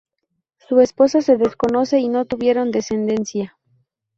Su esposa se desconoce y no tuvieron descendencia.